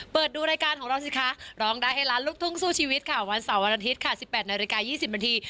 เปิดดูรายการของรองดาเฮลาลลุกทุกข์สู้ชีวิตค่ะวันเสาร์หวันอาทิตย์๑๘นาฬิกา๒๐นาที